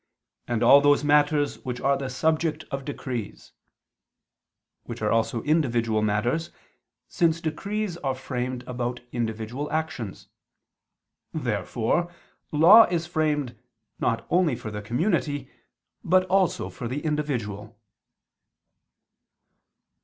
. and all those matters which are the subject of decrees," which are also individual matters, since decrees are framed about individual actions. Therefore law is framed not only for the community, but also for the individual.